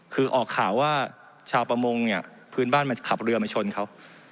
คือออกข่าวว่าชาวประมงเนี่ยพื้นบ้านมันจะขับเรือมาชนเขา